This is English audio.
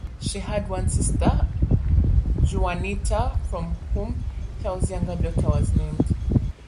She had one sister, Juanita, for whom Hale's younger daughter was named.